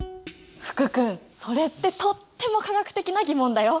福君それってとっても化学的な疑問だよ！